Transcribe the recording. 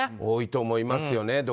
多いと思いますよね。